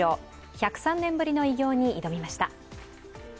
１０３年ぶりの偉業に挑みました。